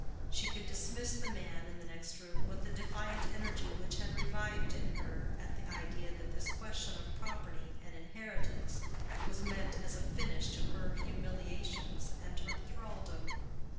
She could dismiss the man in the next room with the defiant energy which had revived in her at the idea that this question of property and inheritance was meant as a finish to her humiliations and her thraldom.